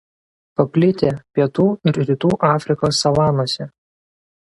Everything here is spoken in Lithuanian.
Paplitę pietų ir rytų Afrikos savanose.